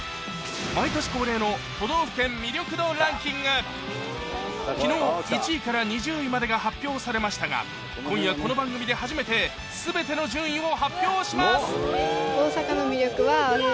毎年恒例の昨日１位から２０位までが発表されましたが今夜この番組で初めて全ての順位を発表します！